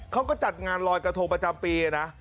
เขาก็จัดงานลอยกระทงประจำปีนะ